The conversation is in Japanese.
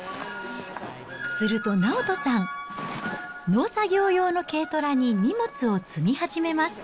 すると、直人さん、農作業用の軽トラに荷物を積み始めます。